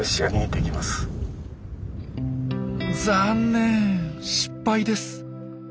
残念失敗です。